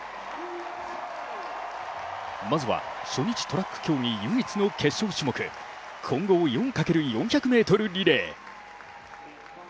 まずは、初日トラック競技、唯一の決勝種目、混合４×４００ｍリレー。